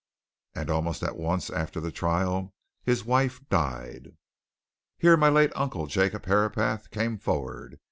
And almost at once after the trial his wife died. "Here my late uncle, Jacob Herapath, came forward.